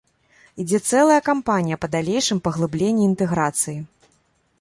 Ідзе цэлая кампанія па далейшым паглыбленні інтэграцыі.